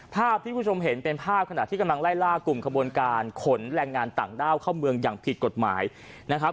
ภาพที่คุณผู้ชมเห็นเป็นภาพขณะที่กำลังไล่ล่ากลุ่มขบวนการขนแรงงานต่างด้าวเข้าเมืองอย่างผิดกฎหมายนะครับ